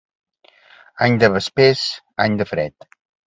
Any de vespers, any de fred.